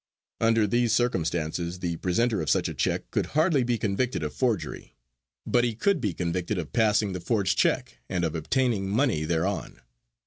Under these circumstances the presenter of such a check could hardly be convicted of forgery, but he could be convicted of passing the forged check and of obtaining money thereon.